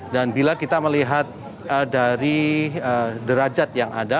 dan bila kita melihat dari derajat yang ada